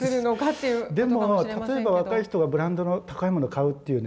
でも例えば若い人がブランドの高いもの買うというね